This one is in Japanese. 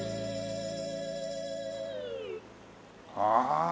ああ。